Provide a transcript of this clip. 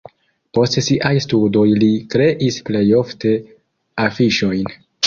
Post siaj studoj li kreis plej ofte afiŝojn.